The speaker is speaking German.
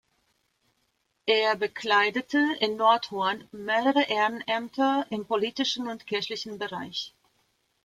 Er bekleidete in Nordhorn mehrere Ehrenämter im politischen und kirchlichen Bereich.